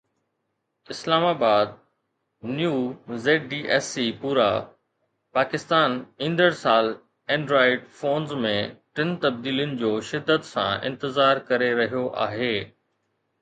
اسلام آبادNew ZDSCpura پاڪستان ايندڙ سال اينڊرائيڊ فونز ۾ ٽن تبديلين جو شدت سان انتظار ڪري رهيو آهي